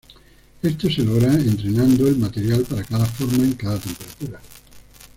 Esto se logra entrenando el material para cada forma en cada temperatura.